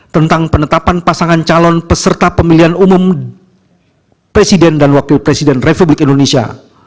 tentang penetapan pasangan calon peserta pemilihan umum presiden dan wakil presiden republik indonesia